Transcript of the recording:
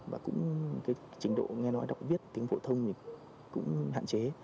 và cũng trình độ nghe nói đọc viết tiếng phổ thông cũng hạn chế